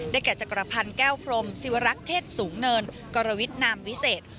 แก่จักรพันธ์แก้วพรมศิวรักษ์เทศสูงเนินกรวิทนามวิเศษ